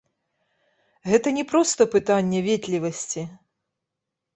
Гэта не проста пытанне ветлівасці.